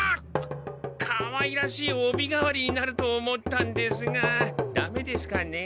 かわいらしいおび代わりになると思ったんですがダメですかね？